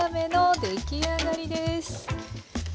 出来上がりです。